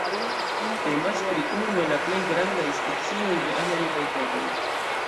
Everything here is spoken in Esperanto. Temas pri unu el la plej grandaj specioj de amerikaj pegoj.